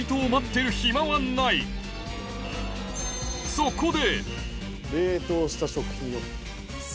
そこで！